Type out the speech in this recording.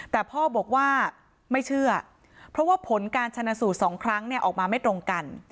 แต่พ่อบอกว่าไม่เชื่อเพราะว่าผลการชนะสูตรสองครั้งเนี่ยออกมาไม่ตรงกัน